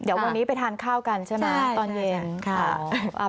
เดี๋ยววันนี้ไปทานข้าวกันใช่ไหมตอนเย็น